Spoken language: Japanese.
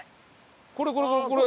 これこれこれこれ。